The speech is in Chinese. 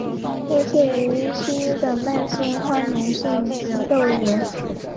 类似于西医的慢性化脓性鼻窦炎。